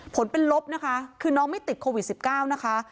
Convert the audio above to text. ผลเป็นลบนะคะคือน้องไม่ติดโควิด๑๙นะคะ